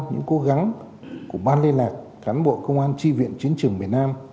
những cố gắng của ban lây lạc cán bộ công an tri viện chiến trưởng miền nam